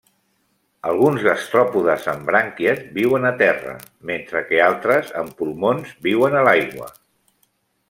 Alguns gastròpodes amb brànquies viuen a terra, mentre que altres amb pulmons viuen a l'aigua.